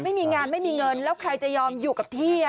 ไม่มีงานไม่มีเงินแล้วใครจะยอมอยู่กับที่